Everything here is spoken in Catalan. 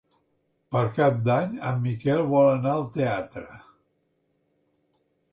Per Cap d'Any en Miquel vol anar al teatre.